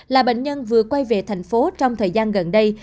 là bệnh nhân vừa quay về thành phố trong thời gian gần đây